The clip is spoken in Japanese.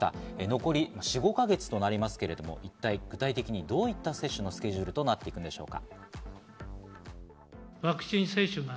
残り４５か月となりますけれども、具体的にどういった接種のスケジュールとなっていくんでしょうか。